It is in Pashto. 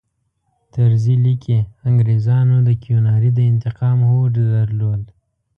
طرزي لیکي انګریزانو د کیوناري د انتقام هوډ درلود.